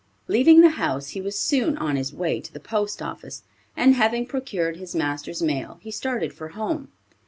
Leaving the house he was soon on his way to the post office, and having procured his master's mail he started for home.